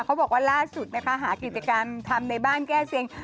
เขาบอกว่าล่าสุดนะคะหากิจกรรมทำในบ้านแก้เคียง